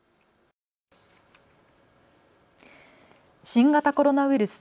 新型コロナウイルス。